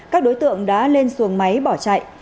các đối tượng đã lên xuồng máy bỏ chạy